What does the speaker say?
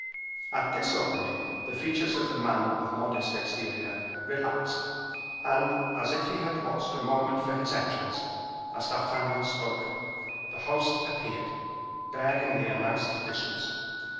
At this opening, the features of the man of modest exterior relaxed; and, as if he had watched the moment for his entrance, as D'Artagnan spoke, the host appeared, bearing the announced dishes.